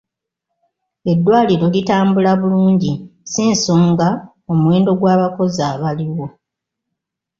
Eddwaliro litambula bulungi si nsonga omuwendo gw'abakozi abaliwo.